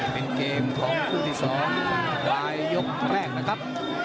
เป็นเกมของครูที่สองใบยกแรกนะครับ